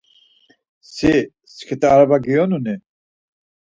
Si skit̆a araba giyonuni?